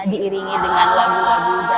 diiringi dengan lagu lagu dalam bahasa indonesia